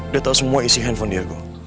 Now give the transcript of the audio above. dia tahu semua isi handphone diego